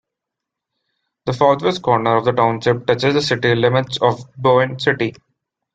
The southwest corner of the township touches the city limits of Boyne City.